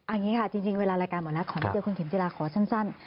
อันนี้ค่ะเวลาราการหมอหนักขอให้เจ้าคุณเข็มจิลาขอชั้น